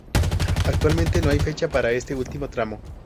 Actualmente no hay fecha para este último tramo.